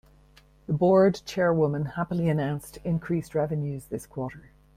The board chairwoman happily announced increased revenues this quarter.